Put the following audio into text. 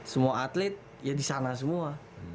semua atlet ya di sana semua